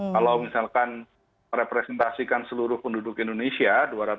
kalau misalkan merepresentasikan seluruh penduduk indonesia